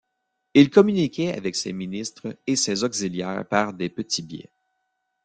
Il communiquait avec ses ministres et ses auxiliaires par des petits billets.